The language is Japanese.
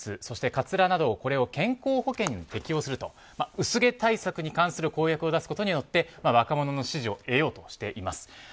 そして、カツラなどを健康保険に適用すると薄毛対策に関する公約を出すことによって若者の支持を得ようとしています。